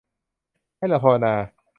ให้เราภาวนา